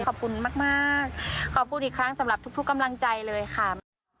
ขอบคุณมากขอบคุณอีกครั้งสำหรับทุกกำลังใจเลยค่ะ